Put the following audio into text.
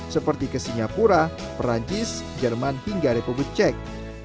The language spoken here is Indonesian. seperti ke singapura perancis jerman hingga republik cek